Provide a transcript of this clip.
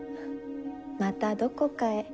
またどこかへ。